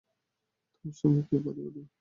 তোমার সঙ্গে কে পারিয়া উঠিবে।